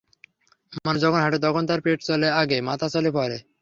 মানুষ যখন হাঁটে, তখন তাহার পেট চলে আগে, মাথা চলে পরে।